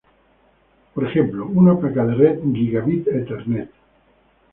Por ejemplo, una placa de red Gigabit Ethernet.